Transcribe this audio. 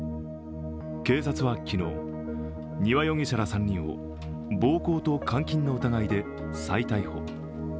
警察は昨日、丹羽容疑者ら３人を暴行と監禁の疑いで再逮捕。